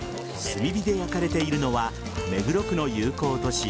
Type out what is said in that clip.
炭火で焼かれているのは目黒区の友好都市